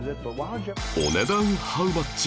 お値段ハウマッチ？